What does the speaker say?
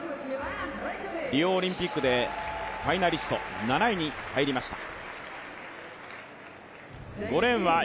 リオオリンピックでファイナリスト、７位に入りました。